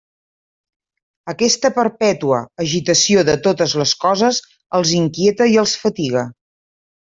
Aquesta perpètua agitació de totes les coses els inquieta i els fatiga.